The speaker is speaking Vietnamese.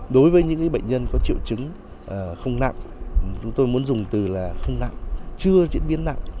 đối với những bệnh nhân có triệu chứng không nặng chúng tôi muốn dùng từ là không nặng chưa diễn biến nặng